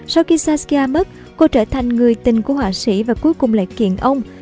sau khi saskia mất cô trở thành người tình của họa sĩ và cuối cùng lại kiện ông